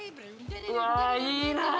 うわいいなぁ！